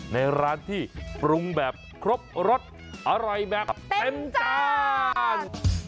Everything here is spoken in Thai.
ในร้านที่ปรุงแบบครบรสอร่อยแบบเต็มจาน